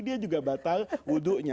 dia juga batal wudhunya